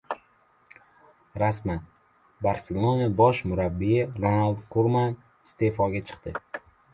Rasman. «Barselona» bosh murabbiyi Ronald Kuman iste’foga chiqarildi